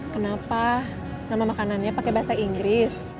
kenapa nama makanannya pakai bahasa inggris